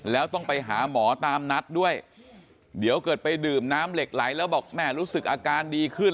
แล้วต้องไปหาหมอตามนัดด้วยเดี๋ยวเกิดไปดื่มน้ำเหล็กไหลแล้วบอกแม่รู้สึกอาการดีขึ้น